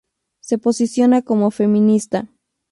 Se posiciona como feminista.